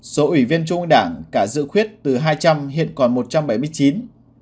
số ủy viên trung ương đảng cả dự khuyết từ hai trăm linh hiện còn một trăm bảy mươi chín